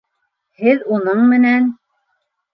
Һеҙ уның менән...